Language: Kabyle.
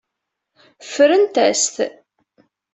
Ffrent-as-t.